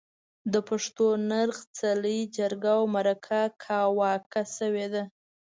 د پښتون نرخ، څلی، جرګه او مرکه کاواکه شوې ده.